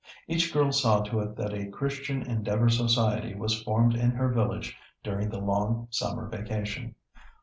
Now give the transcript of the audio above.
Each girl saw to it that a Christian Endeavor Society was formed in her village during the long summer vacation.